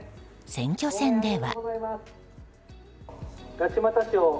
選挙戦では。